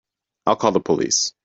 I'll call the police.